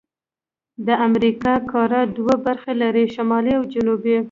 د امریکا قاره دوه برخې لري: شمالي او جنوبي.